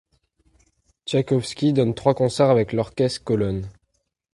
Tchaïkovski donne trois concerts avec l'orchestre Colonne.